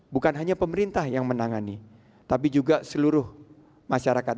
bukan hanya pemerintah yang menangani tapi juga seluruh masyarakat